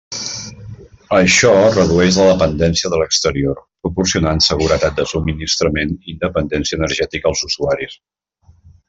Això redueix la dependència de l'exterior, proporcionant seguretat de subministrament i independència energètica als usuaris.